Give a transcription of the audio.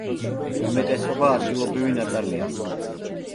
უმეტესობა ადგილობრივი ნაწარმია.